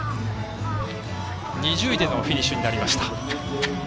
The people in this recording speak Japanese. ２０位でのフィニッシュになりました。